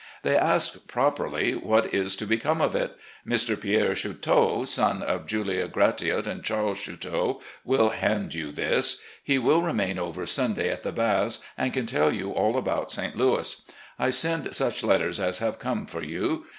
They ask, properly, what is to become of it ? Mr. Pierre Chouteau, son of Julia Gratiot and Charles Chouteau, will hand you this. He will remain over Sunday at the Baths, and can tell you all about St. Louis. I send such letters as have come for you.